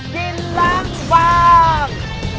กินล้างบาง